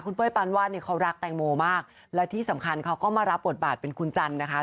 เป้ยปานวาดเนี่ยเขารักแตงโมมากและที่สำคัญเขาก็มารับบทบาทเป็นคุณจันทร์นะคะ